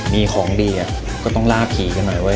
มีของดีก็ต้องล่าผีกันหน่อยเว้